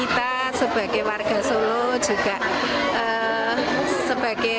ini acara kita sebagai warga solo juga sebagai